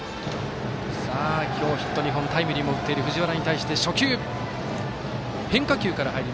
今日ヒット２本タイムリーも打っている藤原に対して。